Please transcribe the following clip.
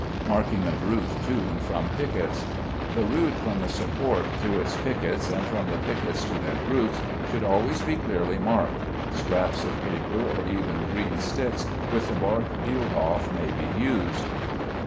Marking of Route to and from Piquets. The route from the support to its piquets, and from the piquets to their groups, should always be clearly marked; scraps of paper, or even green sticks, with the bark peeled off, may be used.